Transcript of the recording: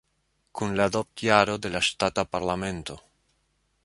Kun la adopt-jaro de la ŝtata parlamento.